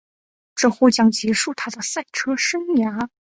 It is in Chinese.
这或将结束她的赛车生涯。